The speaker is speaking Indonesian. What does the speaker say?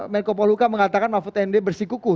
menko poluka mengatakan mahfud md bersikuku